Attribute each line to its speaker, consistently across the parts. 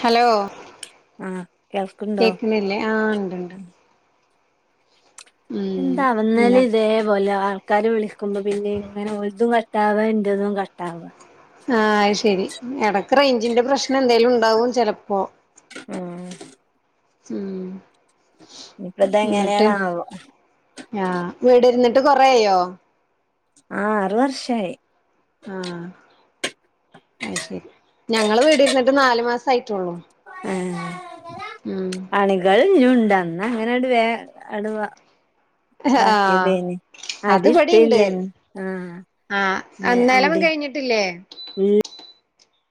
Speaker 1: Hello
Speaker 2: ആഹ് കേൾക്ക്ണ്ടോ?
Speaker 1: കേക്കുന്നില്ലേ ആഹ ഉണ്ട്ണ്ട് ഉം
Speaker 2: എന്താവം ന്നലിം
Speaker 1: എന്നിട്ട്
Speaker 2: ഇതേപോലെ ആൾ ക്കാര് വിളിക്കുമ്പോ പിന്നെങ്ങനെ ഒൽതും കട്ടാവാ ഇൻ്റതും കട്ടാവാ
Speaker 1: ആഹ അത് ശെരി ഇടക്ക് റേഞ്ചിന്റെ പ്രശ്നം എന്തെലും ഉണ്ടാവും ചെലപ്പോ
Speaker 2: ആഹ്
Speaker 1: ഉം
Speaker 2: ഇപ്പ ത് എങ്ങനെയാണാവോ?
Speaker 1: ആ വീട് ഇരുന്നിട്ട് കൊറേയോ
Speaker 2: ആ ആറ് വർഷായി
Speaker 1: ആ അത് ശരി ഞങ്ങള് വീടിരുന്നിട്ട് നാലു മാസം ആയിട്ടുള്ളൂ.
Speaker 2: ഏ
Speaker 1: ഉം
Speaker 2: പണികൾ ഇന്നിയുണ്ട് അന്നങ്ങനെ അങ്കിട് വേ അടു
Speaker 1: ആഹ്
Speaker 2: ണ്ടാക്കിയതേന്
Speaker 1: അത്
Speaker 2: അടി
Speaker 1: ഇവിടിണ്ട്
Speaker 2: ഇഷ്ടല്ലേന്ന് ആഹ്
Speaker 1: ആഹ്
Speaker 2: എഹ്
Speaker 1: അന്നേലൊന്നും
Speaker 2: അടി
Speaker 1: കഴിഞ്ഞിട്ടില്ലേ
Speaker 2: ൽ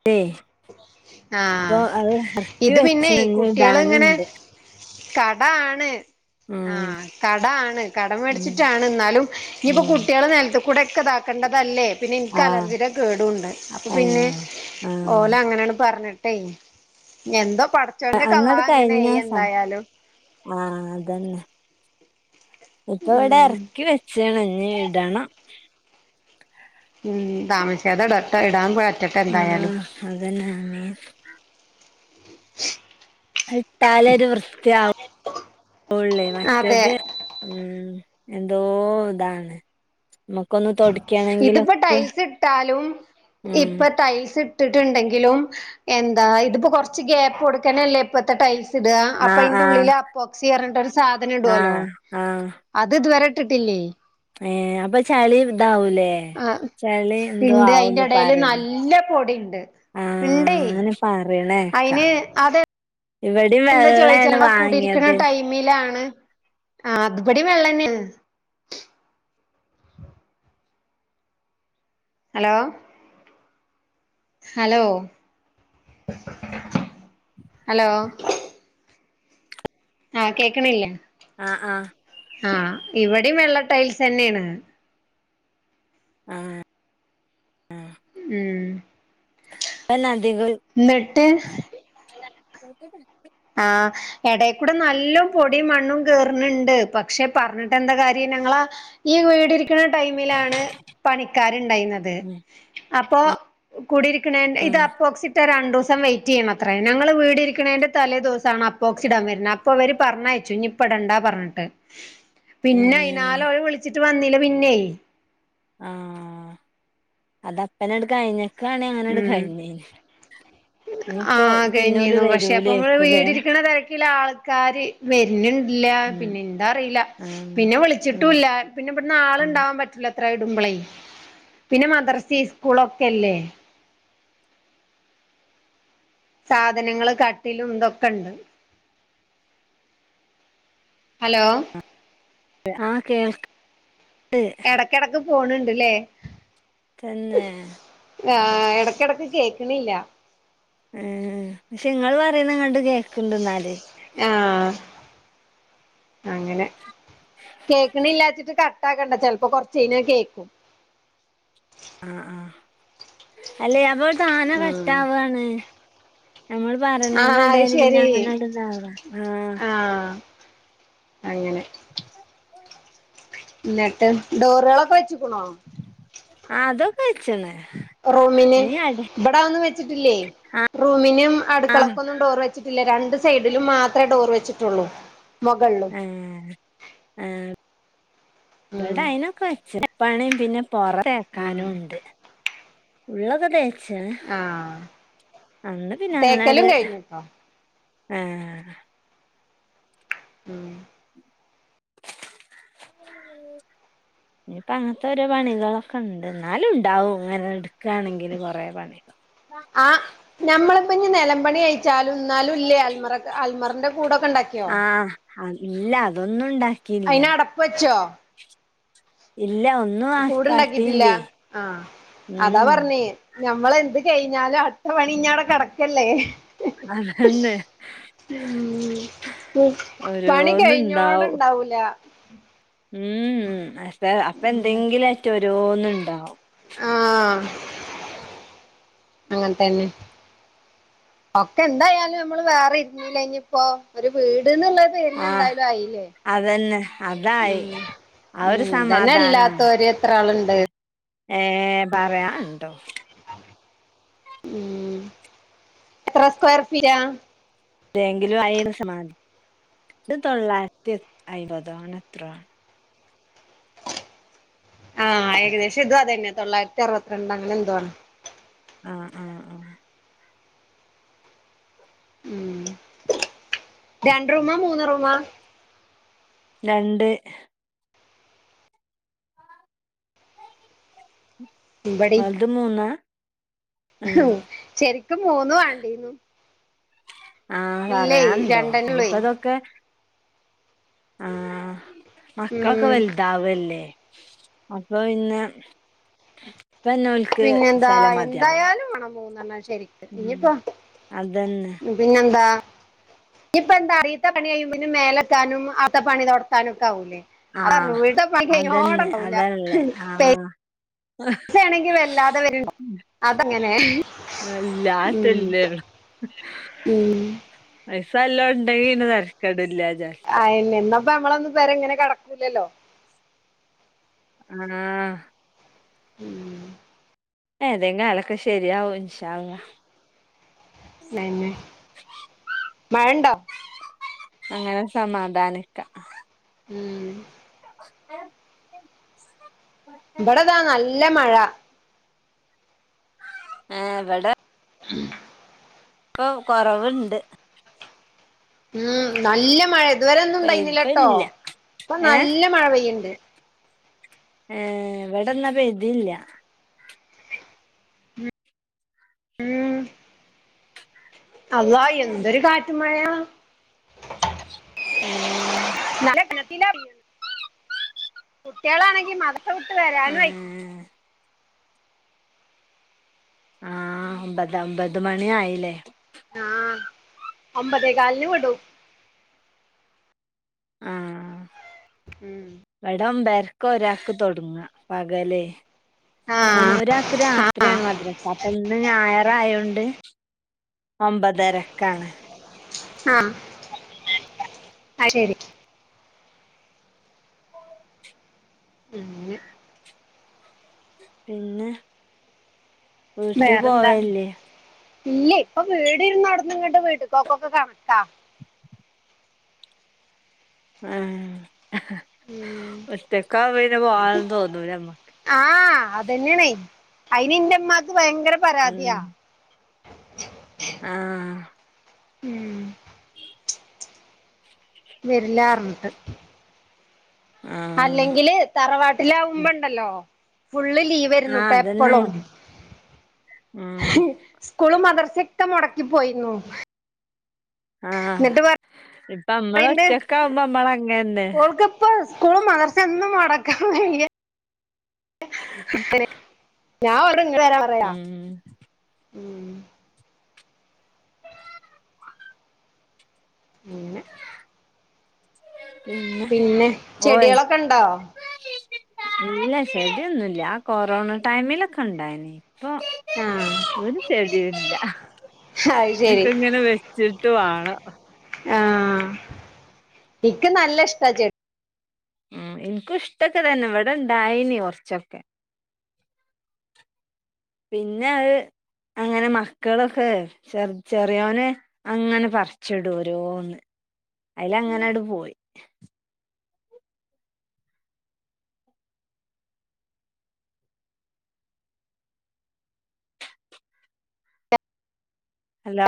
Speaker 2: ലോ
Speaker 1: ആഹ്
Speaker 2: എറക്കി
Speaker 1: ഇത്
Speaker 2: വെച്ച്
Speaker 1: പിന്നെ
Speaker 2: ഇഞ്ഞ്
Speaker 1: കുട്ടികൾ ഇങ്ങനെ.
Speaker 2: ഇടാനുണ്ട്.
Speaker 1: കട ആണ്
Speaker 2: ഉം
Speaker 1: ആഹ് കട ആണ്. കടം
Speaker 2: ഉം
Speaker 1: മേടിച്ചിട്ടാണ് എന്നാലും. ഇനിയിപ്പോ
Speaker 2: ഉം
Speaker 1: കുട്ടികൾ നിലത്തുക്കൂടെ ഒക്കെ ഇതാക്കേണ്ടതല്ലേ. പിന്നെ എനിക്ക്
Speaker 2: ആഹ്
Speaker 1: അലർജിയെടെ ഗേടും ഉണ്ട്. അപ്പം പിന്നെ
Speaker 2: ഏഹ് ആഹ്
Speaker 1: ഓല് അങ്ങനെയാണ് പറഞ്ഞിട്ടെ എന്തോ പടച്ചോന്റെ
Speaker 2: അന്നട്
Speaker 1: കള്ളഹ് ങ്ങനെയി
Speaker 2: കഴിഞ്ഞാസ
Speaker 1: എന്തായാലും.
Speaker 2: ആഹ് അത് ന്നെ ഇപ്പം ഇവടെ
Speaker 1: ഉം
Speaker 2: എറക്കി വെച്ചാണ് ഇനി വിടണം.
Speaker 1: ഉം താമസിക്കാതെ ടർട്ട ഇടാൻ പോയ
Speaker 2: ഉം അത് തന്നെ ആഹ് ഇട്ടാല് ഒരു വൃത്തിയയാവുള്ളേ
Speaker 1: അതെ
Speaker 2: മറ്റേത്. ഉം എന്തോ.. ഇതാണ്. നമക്കോനു
Speaker 1: ഇത് ഇപ്പം ടൈൽസ് ഇട്ടാലും.
Speaker 2: ഉം
Speaker 1: ഇപ്പൊ ടൈൽസ് ഇട്ടുണ്ടെങ്കിലും എന്താ ഇതിപ്പോ കൊറച്ച് ഗ്യാപ്പ് കൊടുക്കാനല്ലേ. ഇപ്പത്തെ ടൈസ് ഇട
Speaker 2: ആ
Speaker 1: അപ്പൊ അയിന്റെ
Speaker 2: ആ
Speaker 1: ഉള്ളില് അപ്പോക്സി യിറ്പറഞ്ഞിട്ട്. ഒരു സാധനം
Speaker 2: ആ
Speaker 1: ഇടുല്ലോ?
Speaker 2: ആ
Speaker 1: അത് ഇതുവരെയിട്ടിട്ടില്ലേ.
Speaker 2: ഏ അപ്പൊ ചളി ഇതാവൂലേ?
Speaker 1: ആഹ്
Speaker 2: ചളി എന്തോ
Speaker 1: ഇണ്ട് അയിന്റെ
Speaker 2: ആവുന്നു
Speaker 1: എടേല്
Speaker 2: പറയണ്
Speaker 1: നല്ല പൊടിണ്ട് ഇണ്ടേ
Speaker 2: ആഹ് അനെ പറയണെ കോക്കാ.
Speaker 1: അയിന് അത്
Speaker 2: ഇവിടേം വെള്ളായണ് വാങ്ങിയത്.
Speaker 1: മിലാണ് ആഹ് അത്പടി വെള്ളംനിൽ ഹലോ? ഹലോ ഹലോ ആഹ് കേക്കണില്ല
Speaker 2: ആഹ് ആഹ്
Speaker 1: ആഹ് ഇവിടേം വെള്ള ടൈൽസ് ന്നെയാണ്.
Speaker 2: ആഹ് ആഹ്
Speaker 1: ഉം
Speaker 2: ലേ നദികൾ
Speaker 1: ന്നിട്ട്
Speaker 2: കേക്കട്ടെ
Speaker 1: ആഹ് എടൽക്കൂടെ നല്ല പൊടിയും മണ്ണും കേറുന്നുണ്ട്. പക്ഷെ പറഞ്ഞിട്ട് എന്താ കാര്യം ഞങ്ങളാ ഈ വീടിരിക്കുന്ന ടൈമിലാണ് പണിക്കാര് ഇണ്ടായിന്നത്.
Speaker 2: ഉം
Speaker 1: അപ്പൊ
Speaker 2: ആ
Speaker 1: കൂടിയിരിക്കണേ ഇത് അപ്പോക്സിറ്റ് രണ്ടു സം വെയിറ്റ് ചെയ്യാണ ത്ര. ഞങ്ങള് വീടിരിക്കണേന്റെ തലേ ദെവസാണ് അപ്പോക്സിഡ് ഇടാൻ വരുന്നത്. അപ്പൊ അവര് പറഞ്ഞയച്ചു ഇപ്പയിടണ്ടാ പറഞ്ഞിട്ട്.
Speaker 2: ഏ
Speaker 1: പിന്നെ അയിതിനാലോ അവരെ വിളിച്ചിട്ട് വന്നില്ല. പിന്നേ
Speaker 2: ആഹ് അതപ്പനെ എടുക്ക കഴിഞ്ഞക്കണേ അങ്ങനെ എട്ക്ക
Speaker 1: ഉം
Speaker 2: കഴിഞ്ഞന്.
Speaker 1: ആഹ് കഴിഞ്ഞീനു പക്ഷെ അപ്പം
Speaker 2: വരൂലേക്കുലേ
Speaker 1: വീടിയിരിക്കണ തെരക്കില് ആൾക്കാര്. വരുന്നണ്ടില്ല
Speaker 2: ഉം
Speaker 1: പിന്നെ എന്താ അറിയില്ല
Speaker 2: ആഹ്
Speaker 1: പിന്നെ
Speaker 2: ഉം
Speaker 1: വിളിച്ചിട്ടുയില്ല. പിന്നെ ഇവിടെന്ന് ആള് ഇണ്ടാവാൻ പറ്റില അ ത്ര ഇടുമ്പളേ പിന്നെ മദ്രസി. സ്കൂളൊക്കെല്ലേ? സാധനങ്ങള് കട്ടിലും ഇതൊക്കെ ഒണ്ട്. ഹലോ
Speaker 2: ആഹ് കേൾ ക് ട്ട്.
Speaker 1: കെടക്ക് പോൺ ഉണ്ടില്ലേ.
Speaker 2: തന്നെ
Speaker 1: ആഹ് എടക്ക് എടക്ക് കേക്കണില്ല.
Speaker 2: ഏ.. ക്ഷെ നിങ്ങള് പറയുന്ന ഇങ്ങണ്ട് കേക്കണ്ട് എന്നാല്.
Speaker 1: ആഹ് അങ്ങനെ കേക്കണില്ലാചിട്ട് ക ഏതാക്കേണ്ട ചിലപ്പോ കൊറച്ച് കയിഞ്ഞ കേക്കും
Speaker 2: ആ ആ അല്ലെ അതോണ്ട് താന
Speaker 1: ഉം
Speaker 2: കട്ടാവ്വാണ് നമ്മള്
Speaker 1: ആഹ് അത്
Speaker 2: പറിണന്റെടേല് പിന്നെ
Speaker 1: ശരി
Speaker 2: അങ്ങനെ ഇട്താവ ആ
Speaker 1: ആഹ് അങ്ങനെ
Speaker 2: [inaudible]
Speaker 1: എന്നിട്ട് ഡോറുകളൊക്കെ വെച്ച്ക്കണോ?
Speaker 2: ആ അതൊക്കെ വെച്ചിണ്
Speaker 1: റൂമിന് ഇവിടതൊന്നും വെച്ചിട്ടില്ലേ റൂമിനും
Speaker 2: ആഹ്
Speaker 1: അടുക്കളക്കൊന്നും ഡോർ വെച്ചിട്ടില്ല രണ്ട് സൈഡിലും മാത്രേ ഡോറ് വെച്ചിട്ടുള്ളൂ മുകളിൽ
Speaker 2: ആ ആ
Speaker 1: ഉം
Speaker 2: ഇപടെ അയിനൊക്കെ വെച്ച് പണിം പിന്നെ പൊറ
Speaker 1: ഉം
Speaker 2: തേക്കാനുണ്ട് ഉള്ളൊക്കെ തേച് ശ്ശേ
Speaker 1: ആഹ്
Speaker 2: അന്ന് പിന്നെ അങ്ങനാട്
Speaker 1: തേക്കലും കഴിഞ്ഞുട്ടോ
Speaker 2: ഏഹ്
Speaker 1: ഉം
Speaker 2: [inaudible] ഇനിയിപ്പ അങ്ങനത്തെയൊരോ പണികളൊക്കെ ഉണ്ട് എന്നാലും ഉണ്ടാവുംങ്ങനെ എടുക്കയാണെങ്കിൽ കൊറെ പണികൾ
Speaker 1: ആ ഞമ്മളിപ്പഞ്ഞി നിലമ്പണി കയിഞ്ഞ ച്ചാലുംന്നാലും ഇല്ലേ അൽമറ അൽമറന്റെ കൂടൊക്കെയിണ്ടാക്കിയോ?
Speaker 2: അ ഇല്ല അതൊന്നും ഉണ്ടാക്കിയില്ല
Speaker 1: അയിന് അടപ്പ് വെച്ചോ
Speaker 2: ഇല്ല ഒന്ന
Speaker 1: കൂടുണ്ടാക്കിട്ടില്ല ആ അതാ
Speaker 2: ഉം
Speaker 1: പറഞ്ഞേ ഞമ്മള എന്ത് കഴിഞ്ഞാലും അടുത്ത പണി ഞ്ഞാടെ കിടക്കല്ലേ?
Speaker 2: അതന്നെ
Speaker 1: ഉം
Speaker 2: ഓരോന്ന്ണ്ടാവും
Speaker 1: ല്ലാ
Speaker 2: ഉം അപ്പ അപ്പ എന്തെങ്കിലും ആയിറ്റ് ഓരോന്നുണ്ടാവും
Speaker 1: ആ അങ്ങനത്തന്നെ ഒക്കെ എന്തായാലും നമ്മള് വേറെ ഇരുന്നിലെനിപ്പോ ഒരു വീട്ന്നുള്ള
Speaker 2: ആഹ്
Speaker 1: പിന്നെന്തായാലും ആയില്ലേ
Speaker 2: അതന്നെ അതായി
Speaker 1: അഹ്
Speaker 2: ആ ഒരു
Speaker 1: ഉം ഇതന്നെ
Speaker 2: സമാധാനാണ്
Speaker 1: അല്ലാത്തൊരു എത്ര ആള്ണ്ട്?
Speaker 2: ഏ പറയാനിണ്ടോ?
Speaker 1: ഉം എത്ര സ്ക്വയർഫീറ്റാ?
Speaker 2: ബെങ്കിലും ആയാലും സമാധാന ഇത് തൊള്ളായിരത്തി അയിമ്പതൊ അങ്ങനെ എത്രോ ആണ്
Speaker 1: ആ ഏകദേശം ഇതും അതന്നെയാണ് തൊള്ളായിരത്തി അറുപത്തിരണ്ട് അങ്ങനെന്തോ ആണ്.
Speaker 2: ആ ആ ആ
Speaker 1: ഉം രണ്ട് റൂമാ മൂന്ന് റൂമാ
Speaker 2: രണ്ട്
Speaker 1: ഇവടേം
Speaker 2: വലുത് മൂന്നാ ആഹ്
Speaker 1: ശരിക്കും മൂന്ന് വേണ്ടീനു
Speaker 2: ആ പറയാനുണ്ടോ
Speaker 1: രണ്ടെന്നെ ഉള്ളേ
Speaker 2: ഇനിയിപ്പതൊക്കെ ആ മക്കളൊക്കെ
Speaker 1: ഉം
Speaker 2: [unintelligible] വലുതാവല്ലേ അപ്പൊ പിന്നെ ഇപ്പന്നെ ഓല്
Speaker 1: പിന്നെന്താ എന്തായാലും വേണം മൂന്നെണ്ണം ശരിക്ക്
Speaker 2: ഉം
Speaker 1: ഇനിയിപ്പോ
Speaker 2: അതന്നെ
Speaker 1: പിന്നെന്താ ഇനിയിപ്പോന്താ അടീത്തെ പണിയുമ്പംമേലെത്താനും ആടെത്തെ പണി തൊട്ക്കാനും ഒക്കെ ആവൂലേ?
Speaker 2: ആഹ്
Speaker 1: അതുവിടെത്തെ പണി
Speaker 2: അതന്നെ
Speaker 1: കഴിഞ്ഞാടുണ്ടാവുല
Speaker 2: അതാള്ളെ
Speaker 1: തേ
Speaker 2: ആഹ് [unintelligible]
Speaker 1: ആണെങ്കി വല്ലാതെ വരും അതങ്ങനെ ഉം
Speaker 2: ഇല്ലാത്തില്ലേള്ളു
Speaker 1: ഉം
Speaker 2: പൈസയെല്ലാം ഉണ്ടെങ്കിൽ നക്കേടില്ല ഞാൻ
Speaker 1: അയന്നെയിന്നപ്പ നമ്മളെയൊന്നും പെരയിങ്ങനെ കെടക്കൂല്ലല്ലോ
Speaker 2: ആ
Speaker 1: ഉം
Speaker 2: ഏതെകാലൊക്കെ ശരിയാവും ഇൻഷാ അള്ളാ
Speaker 1: നന്നെ മഴണ്ടോ
Speaker 2: അങ്ങനെ സമാധാനിക്കാം
Speaker 1: ഉം
Speaker 2: ഏഹ്
Speaker 1: ബടെതാ നല്ല മഴ
Speaker 2: ഏഹ് വടെ പ്പോ കൊറവ്ണ്ട്
Speaker 1: ഉം നല്ല മഴ ഇതുവരെ ഒന്നും പെയ്യുന്നില്ലട്ടോ
Speaker 2: ഇപ്പല്ല
Speaker 1: ഇപ്പം
Speaker 2: ഏഹ്
Speaker 1: നല്ല മഴ പെയ്യ്ണ്ട്
Speaker 2: ഏഹ് വടെന്ന പെയ്തില്ല
Speaker 1: ഉം അള്ളാഎന്തൊരു കാറ്റും മഴയാ
Speaker 2: ഏഹ്
Speaker 1: [unintelligible] കുട്ട്യേളാണെങ്കി മദ്രസ വിട്ട് വരാനും ആയി
Speaker 2: ആഹ് ആ ഒമ്പത് ഒൻമ്പത് മണിയായില്ലേ
Speaker 1: ആഹ് ഒമ്പതേ കാലിന് വിടും
Speaker 2: ആഹ് ആഹ്
Speaker 1: ഉം
Speaker 2: വടം മ്പേരക്കൊരാക്ക് തൊടങ്ങ പകലേ
Speaker 1: ആ
Speaker 2: ഓന് ഒരാക്ക് രാ
Speaker 1: ആ
Speaker 2: ത്രിയാണ് മദ്രസ അപ്പൊ ഇന്ന് ഞായർ ആയോണ്ട് ഒമ്പതരക്കാണ്
Speaker 1: ആഹ് അയ് ശരി പിന്നെ
Speaker 2: പിന്നെ വീട്ട്
Speaker 1: വേറെന്താ
Speaker 2: പോവല്ലേ
Speaker 1: ഇല്ലെ ഇപ്പൊ വീട് ഇരുന്നോടത്ത്ന്നിങ്ങട്ട് വീട്ടുകോക്കൊക്കെ കണക്കാ
Speaker 2: ആഹ്
Speaker 1: ഉം
Speaker 2: ഒറ്റക്കാ പിന്നെ പോവാനും തോന്നുല മ്മക്ക്
Speaker 1: ആഹ് അതന്നെണേ അയിനിന്റുമ്മാക്ക് ഭയങ്കര പരാതിയാ
Speaker 2: ഉം ആഹ്
Speaker 1: ഉം വെര്ല്ലാർഞ്ഞിട്ട്
Speaker 2: ആഹ്
Speaker 1: അല്ലെങ്കില് തറവാട്ടിലാവുമ്പോണ്ടല്ലോ ഫുള്ള് ലീ
Speaker 2: ആഹ്
Speaker 1: വരുന്നുട്ട
Speaker 2: അതന്നെ
Speaker 1: എപ്പളും
Speaker 2: ഉം
Speaker 1: സ്കൂളും മദ്രസൊക്കെ മൊടക്കി പോയിരുന്നു
Speaker 2: ആഹ്
Speaker 1: എന്നിട്ട്
Speaker 2: ഇപ്പ
Speaker 1: പറയണ്ട്
Speaker 2: മ്മളൊറ്റക്കാവുമ്പോ മ്മളങ്ങന്നെ
Speaker 1: ഇപ്പ സ്കൂള് മദ്രസ ഒന്നും മൊടക്കാൻ വയ്യെ ങ്ങനെ ഞാ ഓരോട് ഇങ്ങട് വരാ പറയലാ
Speaker 2: ഉം
Speaker 1: ഉം അങ്ങനെ
Speaker 2: പിന്നെ ഓയ്
Speaker 1: ചെടികളൊക്കെ ഉണ്ടോ
Speaker 2: ഇല്ല ഷെടിയൊന്നുല്ല ആഹ് കൊറോണ ടൈമിലൊക്കെണ്ടായിനി ഇപ്പൊ
Speaker 1: ആഹ്
Speaker 2: ഒരു ചെടിയുല്ല
Speaker 1: അത് ശരി
Speaker 2: ഞ്ക്കങ്ങനെ വെച്ചിട്ട് വാണം
Speaker 1: ആഹ് ഇക്ക് നല്ല ഇഷ്ട ചെ
Speaker 2: ഉം എനിക്കും ഇഷ്ടൊക്കെ തന്നെ ഇവിടെണ്ടായിനി കൊറച്ചൊക്കെ പിന്നെ അഹ് അങ്ങനെ മക്കളൊക്കെ ചെർ ചെറിയോനെ അങ്ങനെ പറിച്ചിടും ഓരോന്ന് അയില് അങ്ങനെട്ട് പോയി ഹലോ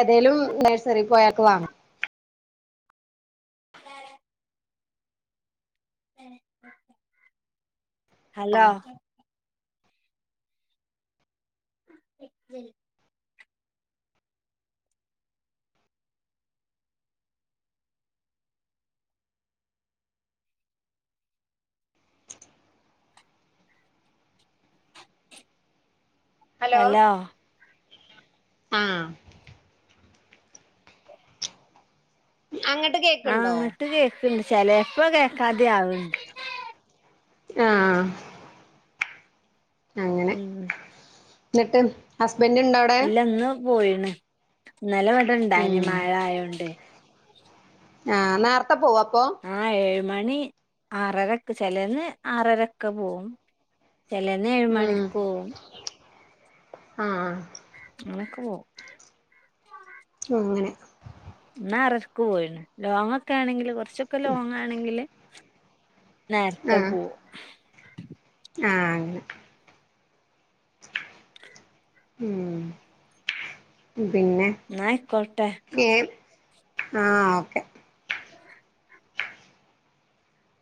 Speaker 1: ഏതേലും നഴ്സറി പോയാക്കെ വാങ്ങും
Speaker 2: ഹലോ [inaudible] ഹലോ
Speaker 1: ആഹ് അങ്‌ ട്ട് കേ
Speaker 2: ആ ങ്ങട്ട് കേക്ണ്ട് ചെലേപ്പോ കേക്കാതെ ആവണ്ട്
Speaker 1: ആഹ് അങ്ങനെ
Speaker 2: ഉം
Speaker 1: ന്നിട്ട്
Speaker 2: ഇല്ല ഇന്ന് പോയിണ് ഇന്നലെ വടെ ണ്ടായിനി
Speaker 1: ഉം
Speaker 2: മഴ ആയോണ്ടെയ്
Speaker 1: ആഹ് നേർ ത്തെ പോവോ അപ്പൊ
Speaker 2: ആ ഏഴുമണി ആറരക്ക് ചെലേന്ന് ആറരക് പോവും ചെ ലന്ന് ഏഴ്
Speaker 1: ഉം
Speaker 2: മണിക്കൂ
Speaker 1: ആഹ്
Speaker 2: അ നക്ക് വോ
Speaker 1: ഉം ങ്ങനെ
Speaker 2: ന്ന് ആറരക് പോയിണ് ലോങ്ങൊക്കെ ആണെങ്കില് കൊറച്ചൊക്കെ ലോങ്ങ ആണെങ്കില് നേരത്തെ പോവു
Speaker 1: ആ അങ്ങനെ ഉമ് പിന്നെ
Speaker 2: ന്ന ഐകോട്ടെ
Speaker 1: ക്കെ ആഹ് ഓക്കെ
Speaker 2: [inaudible]